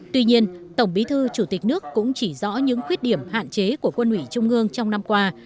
tuy nhiên tổng bí thư chủ tịch nước cũng chỉ rõ những khuyết điểm hạn chế của quân ủy trung ương trong năm qua